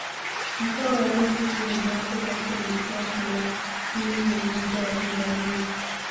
Mkoa wa Rukwa ni mojawapo kati ya mikoa thelathini na moja ya Tanzania